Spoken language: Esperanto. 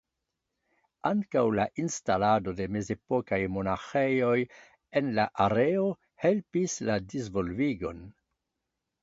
Ankaŭ la instalado de mezepokaj monaĥejoj en la areo helpis la disvolvigon.